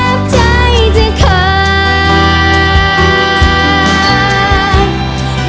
ยังไม่รู้หรือเปล่า